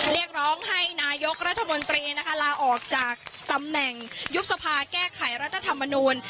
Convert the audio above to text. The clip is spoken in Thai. เรียกร้องให้นายกรัฐมนตรีนะคะลาออกจากตำแหน่งยุบสภาแก้ไขรัฐธรรมนูล